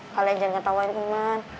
kalian jangan ketawain iman